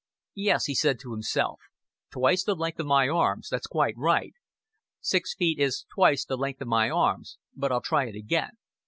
"Yes," he said to himself, "twice the length of my arms. That's quite right. Six feet is twice the length of my arms but I'll try it again.